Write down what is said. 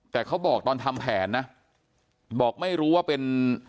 แต่เขาบอกตอนทำแผนนะบอกไม่รู้ว่าเป็น